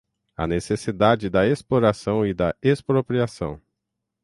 a necessidade da exploração e da expropriação